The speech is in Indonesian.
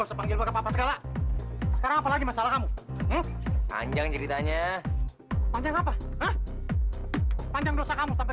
apa apa sekarang apa lagi masalah kamu panjang ceritanya panjang apa panjang dosa kamu sampai